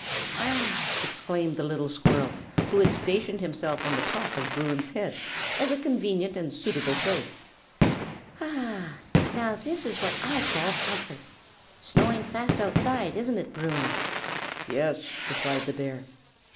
"Ah!" exclaimed the little squirrel, who had stationed himself on the top of Bruin's head, as a convenient and suitable place, "Ah! now this is what I call comfort. Snowing fast outside, is isn't it, Bruin?" "Yes!" replied the bear.